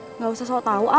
tidak usah selalu tahu